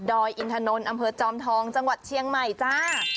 อินทนนท์อำเภอจอมทองจังหวัดเชียงใหม่จ้า